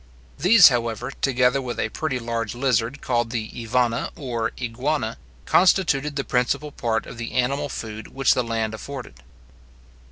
These, however, together with a pretty large lizard, called the ivana or iguana, constituted the principal part of the animal food which the land afforded.